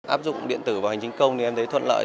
áp dụng điện tử vào hành trình công thì em thấy thuận lợi